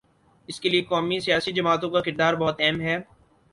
اس کے لیے قومی سیاسی جماعتوں کا کردار بہت اہم ہے۔